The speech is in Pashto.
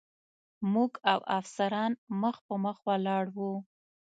موږ او افسران مخ په مخ ولاړ و.